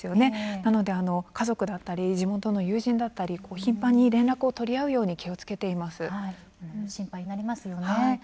なので、家族だったり地元の友人だったり頻繁に、連絡を取り合うようにそうですよね。